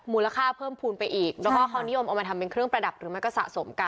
มูลค่าเพิ่มภูมิไปอีกแล้วก็เขานิยมเอามาทำเป็นเครื่องประดับหรือไม่ก็สะสมกัน